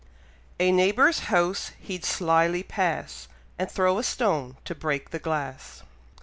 A neighbour's house he'd slyly pass, And throw a stone to break the glass.